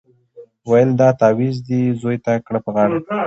ویل دا تعویذ دي زوی ته کړه په غاړه